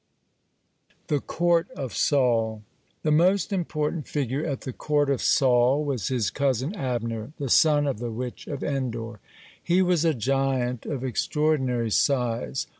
(82) THE COURT OF SAUL The most important figure at the court of Saul was his cousin Abner, the son of the witch of En dor. (83) He was a giant of extraordinary size.